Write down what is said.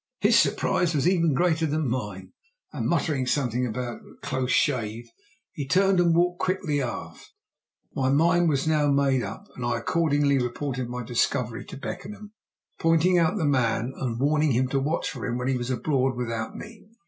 His surprise was even greater than mine, and muttering something about "a close shave," he turned and walked quickly aft. My mind was now made up, and I accordingly reported my discovery to Beckenham, pointing out the man and warning him to watch for him when he was abroad without me.